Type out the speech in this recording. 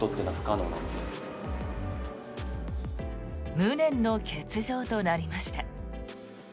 無念の欠場となりました。